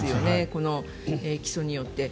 この起訴によって。